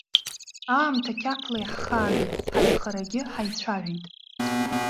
Аамҭа қьафла иаҳхаагеит, ҳазхарагьы ҳаицәажәеит.